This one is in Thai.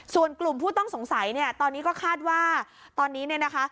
ส่วนกลุ่มผู้ต้องสงสัยเนี่ยตอนนี้ก็คาดว่าตอนนี้เนี่ยนะคะ